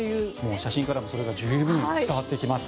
写真からもそれが十分伝わってきます。